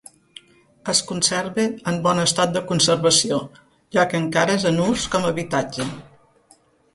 Es conserva en bon estat de conservació, ja que encara és en ús com habitatge.